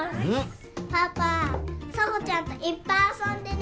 パパ佐帆ちゃんといっぱい遊んでね。